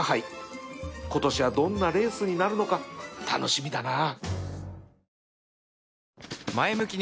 今年はどんなレースになるのか楽しみだなあ